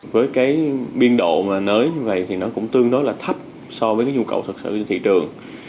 với cái biên độ mà nới như vậy thì nó cũng tương đối là thấp so với cái nhu cầu thật sự trên thị trường